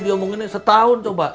diomonginnya setahun coba